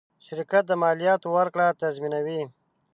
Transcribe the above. شرکت د مالیاتو ورکړه تضمینوي.